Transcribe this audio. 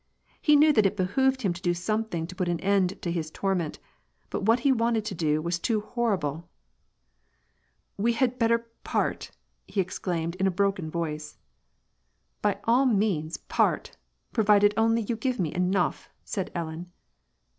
He knew that it behooved him to do something to put an end to his torment, but what he wanted to do was too horrible. " We had better part," he exclaimed in a broken voice. " By all means, part, provided only you give me enough," said Ellen.